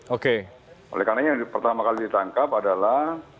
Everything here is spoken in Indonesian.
oke oleh karena yang pertama kali ditangkap adalah